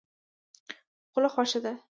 خوله خوښه ده.